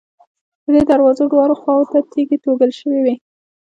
د دې دروازې دواړو خواوو ته تیږې توږل شوې وې.